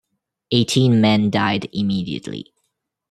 Eighteen men died immediately.